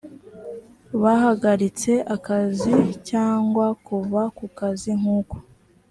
bahagaritse akazi cyangwa kuva ku kazi nk uko